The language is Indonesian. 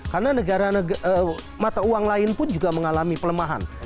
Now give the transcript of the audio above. karena negara mata uang lain pun juga mengalami pelemahan